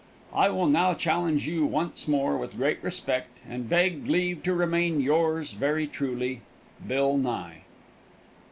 I will now challenge you once more, with great respect, and beg leave to remain, yours very truly, BILL NYE.